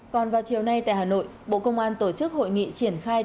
còn vào chiều nay tại hà nội bộ công an tổ chức hội nghị triển khai